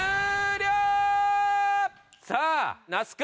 さあ那須君